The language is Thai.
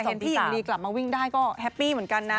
เห็นพี่หญิงลีกลับมาวิ่งได้ก็แฮปปี้เหมือนกันนะ